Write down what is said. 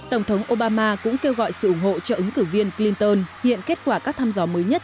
tổng thống obama cũng kêu gọi sự ủng hộ cho ứng cử viên clinton hiện kết quả các thăm dò mới nhất